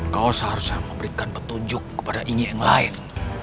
kau seharusnya memberikan petunjuk kepada ini yang lain